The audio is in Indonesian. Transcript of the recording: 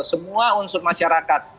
semua unsur masyarakat